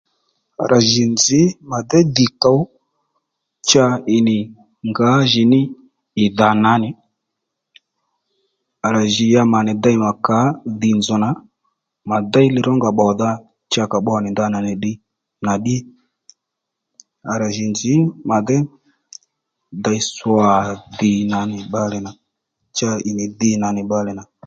À rà jì nzǐ mà déy dhì kǒw cha ì nì ngǎjìní ì dhà nà nì à rà jì ya mà nì dey mà kǎ dhì nzòw nà mà dey li- rónga pbòdha cha ka pbo nì ndanà li-rónga nì ddiy nà ddí à rà jì nzǐ mà déy dey swà dhì nà nì bbalè nà cha ì nì dhi nà nì bbalè nà